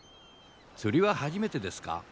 釣りは初めてですか？